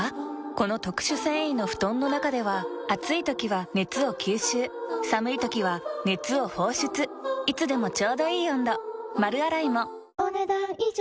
この特殊繊維の布団の中では暑い時は熱を吸収寒い時は熱を放出いつでもちょうどいい温度丸洗いもお、ねだん以上。